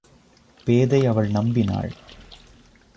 பேதை அவள் நம்பினாள்.